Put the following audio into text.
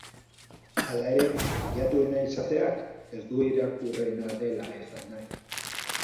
Hala ere, bilatuena izateak ez du irakurriena dela esan nahi.